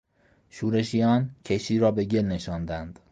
شورشیان کشتی رابه گل نشاندند.